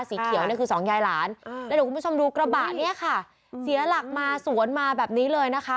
สีเขียวนี่คือสองยายหลานแล้วเดี๋ยวคุณผู้ชมดูกระบะเนี่ยค่ะเสียหลักมาสวนมาแบบนี้เลยนะคะ